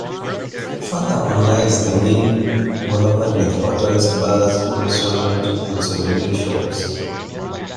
Further on lies the main boulevard with hotels, bars, restaurants and souvenir shops.